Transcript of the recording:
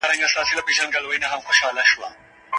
آس په ډېر همت سره خاوره تر خپلو پښو لاندې کوله.